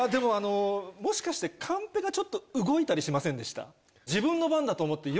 もしかしてカンペが動いたりしませんでした？